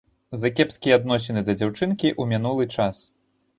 За кепскія адносіны да дзяўчынкі ў мінулы час.